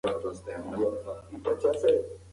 پییر د خپل پلار میراث په غیر متوقع ډول ترلاسه کړ.